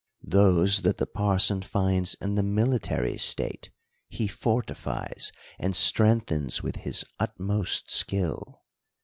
Those that the parson finds in the military state, he fortifies, and strengthens with his utmost skill.